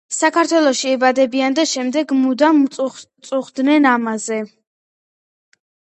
საქართველოში იბადებოდნენ და შემდეგ მუდამ წუხდნენ ამაზე